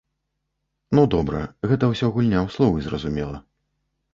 Ну добра, гэта ўсё гульня ў словы, зразумела.